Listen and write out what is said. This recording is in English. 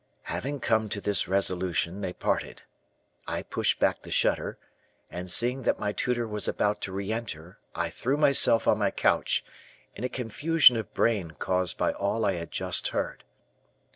"Having come to this resolution, they parted. I pushed back the shutter, and, seeing that my tutor was about to re enter, I threw myself on my couch, in a confusion of brain caused by all I had just heard.